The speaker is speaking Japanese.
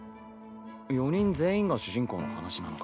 ４人全員が主人公の話なのか。